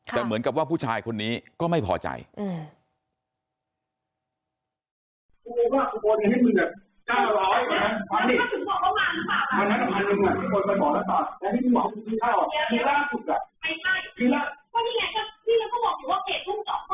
แต่เหมือนกับว่าผู้ชายคนนี้ก็ไม่พอใจ